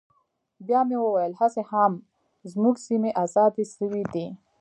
بيا مې وويل هسې هم زموږ سيمې ازادې سوي دي.